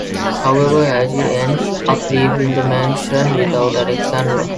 However, Agi ends up leaving the mansion without Alexandra.